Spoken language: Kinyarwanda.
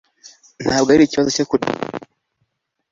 ntabwo ari ikibazo cyo kurekura